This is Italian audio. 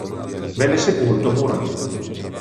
Venne sepolto a Murano.